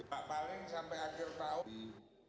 pak paling sampai akhir tahun